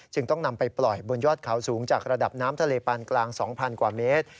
ต้องนำไปปล่อยบนยอดเขาสูงจากระดับน้ำทะเลปานกลาง๒๐๐กว่าเมตร